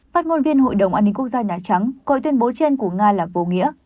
phát ngôn viên hội đồng an ninh quốc gia nhà trắng coi tuyên bố trên của nga là vô nghĩa